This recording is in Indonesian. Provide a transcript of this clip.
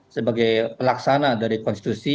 sebagai pelaksana dari konstitusi